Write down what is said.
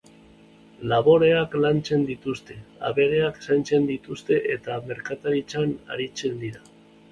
Laboreak landatzen dituzte, abereak zaintzen dituzte eta merkataritzan aritzen dira.